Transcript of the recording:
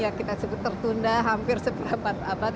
yang kita sebut tertunda hampir seperabad abad